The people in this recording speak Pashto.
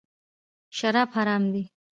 شراب حرام دي .